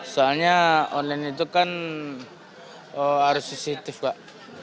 soalnya online itu kan harus sensitif kak